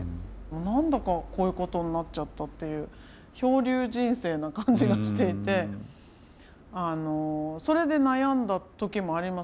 何だかこういうことになっちゃったっていう漂流人生な感じがしていてそれで悩んだ時もあります。